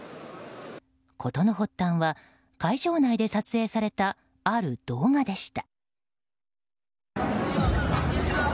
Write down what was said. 事の発端は会場内で撮影されたある動画でした。